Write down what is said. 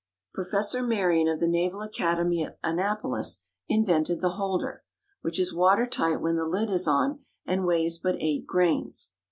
Professor Marion of the Naval Academy at Annapolis invented the holder, which is water tight when the lid is on, and weighs but eight grains.